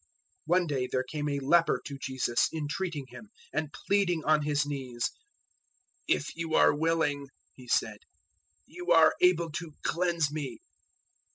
001:040 One day there came a leper to Jesus entreating Him, and pleading on his knees. "If you are willing," he said, "you are able to cleanse me."